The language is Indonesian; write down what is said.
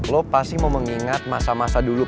lo pasti mau mengingat masa masa dulu